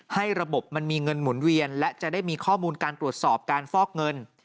ระบบมันมีเงินหมุนเวียนและจะได้มีข้อมูลการตรวจสอบการฟอกเงิน